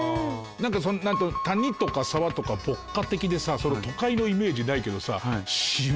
なんかなんていうの「谷」とか「沢」とか牧歌的でさ都会のイメージないけどさ渋谷